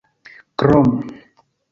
krom